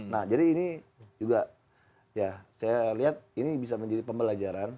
nah jadi ini juga ya saya lihat ini bisa menjadi pembelajaran